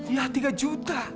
ya tiga juta